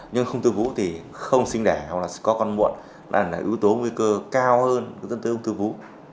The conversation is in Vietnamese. nhưng ông thư vú thì không sinh đẻ hoặc là có con muộn là ưu tố nguy cơ cao hơn tân tư ung thư vú